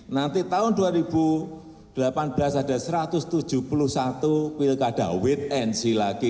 nanti tahun dua ribu delapan belas ada satu ratus tujuh puluh satu pilkada wait and see lagi